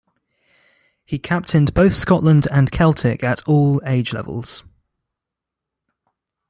He captained both Scotland and Celtic at all age levels.